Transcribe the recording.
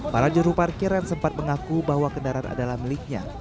para juruparkir yang sempat mengaku bahwa kendaraan adalah miliknya